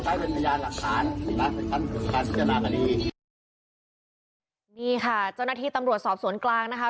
หรือไม่ตัดการการสิทธิน่าการีพรวิสูจินี่ค่ะเจ้าหน้าที่ตำรวจสอบสวนกลางนะคะ